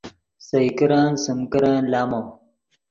سئے کرن سیم کرن لامو